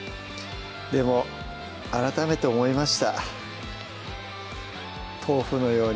でも改めて思いました